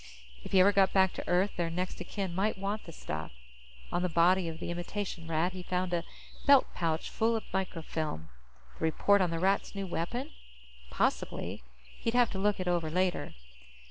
If he ever got back to Earth, their next of kin might want the stuff. On the body of the imitation Rat, he found a belt pouch full of microfilm. The report on the Rats' new weapon? Possibly. He'd have to look it over later.